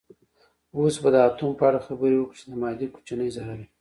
اوس به د اتوم په اړه خبرې وکړو چې د مادې کوچنۍ ذره ده